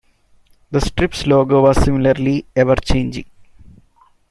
The strip's logo was similarly ever-changing.